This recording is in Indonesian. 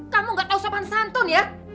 kamu gak tahu sopan santun ya